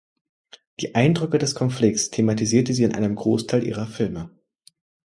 Die Eindrücke des Konflikts thematisierte sie in einem Großteil ihrer Filme.